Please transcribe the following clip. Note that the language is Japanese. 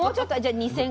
２，０００？